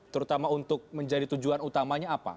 terutama untuk menjadi tujuan utamanya apa